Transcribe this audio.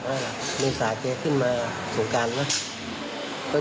ก็จนไปรักษาโตที่โรงพยาบาล